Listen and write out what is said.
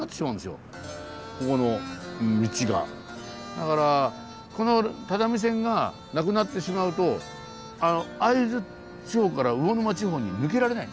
だからこの只見線がなくなってしまうと会津地方から魚沼地方に抜けられないんですよ。